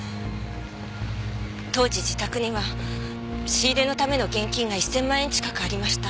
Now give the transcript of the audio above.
当時自宅には仕入れのための現金が１０００万円近くありました。